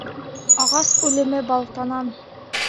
Ағас үлеме балтанан.